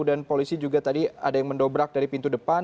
dan polisi juga tadi ada yang mendobrak dari pintu depan